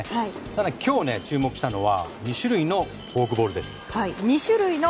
ただ、今日注目したのは２種類のフォークボールです。